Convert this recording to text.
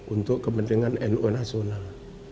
untuk kepentingan nu nasional